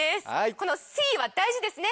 このスィーは大事ですね